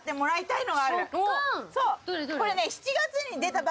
これね。